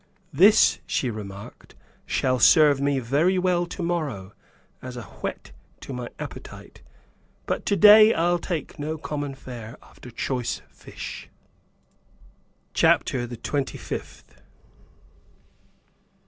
"This," she remarked, "shall serve me very well tomorrow, as a whet to my appetite, but today I'll take no common fare after choice fish!" CHAPTER THE TWENTY FIFTH.